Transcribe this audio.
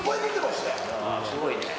すごいね。